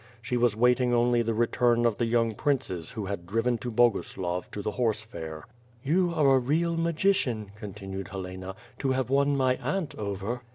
She was waiting only the return of the young princes who had driven to Boguslav to the horse fair. "You are a real magician," continued Helena, "to have won my aunt over."